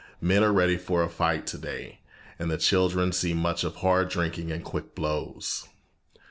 Men are ready for a fight today, and the children see much of hard drinking and quick blows.